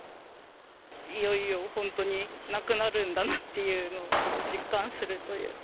いよいよ本当になくなるんだなっていうのを実感するというか。